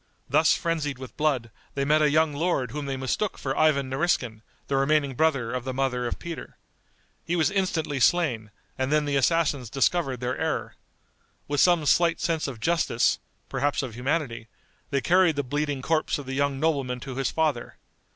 Thus frenzied with blood, they met a young lord whom they mistook for Ivan Nariskin, the remaining brother of the mother of Peter. He was instantly slain, and then the assassins discovered their error. With some slight sense of justice, perhaps of humanity, they carried the bleeding corpse of the young nobleman to his father.